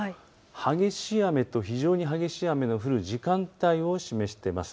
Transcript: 激しい雨と非常に激しい雨が降る時間帯を示しています。